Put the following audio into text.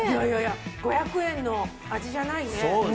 ５００円の味じゃないね。